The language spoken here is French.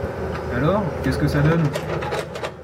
Alors qu’est-ce que ça donne?